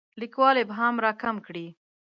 لیکوال ابهام راکم کړي.